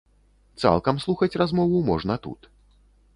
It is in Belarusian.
Цалкам слухаць размову можна тут.